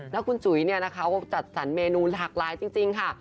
แล้วคุณจุ๋ยเนี่ยนะคะก็จัดสรรเมนูหลากหลายจริงค่ะ